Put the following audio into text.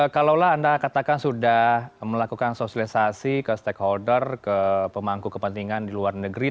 kalau anda katakan sudah melakukan sosialisasi ke stakeholder ke pemangku kepentingan di luar negeri